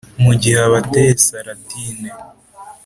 mugihe abateye saladin